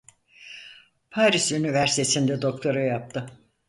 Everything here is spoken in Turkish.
Paris Üniversitesi'nde Doktora yaptı.